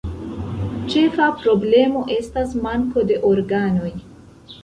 Ĉefa problemo estas manko de organoj.